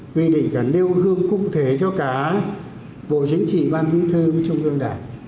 quy định cả nêu gương cụ thể cho cả bộ chính trị ban quỹ thư trung ương đảng